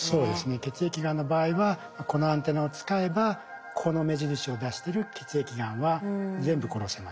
血液がんの場合はこのアンテナを使えばこの目印を出してる血液がんは全部殺せますよ。